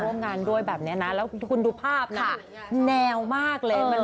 ผู้กำกับมีรางวัลได้คนเขียนบทผู้กำกับรางวัลแบบนี้ลำเข้ามาร่วมงานด้วย